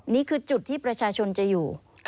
นี่คือจุดที่ประชาชนจะอยู่